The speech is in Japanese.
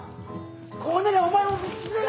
こうなりゃお前も道連れだ！